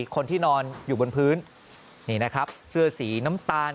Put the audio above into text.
คนที่นอนอยู่บนพื้นนี่นะครับเสื้อสีน้ำตาล